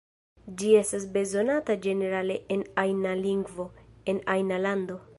Ĝi estas bezonata ĝenerale, en ajna lingvo, en ajna lando.